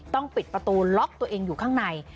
ต้องปิดประตูล็อกตัวเองอยู่ข้างใน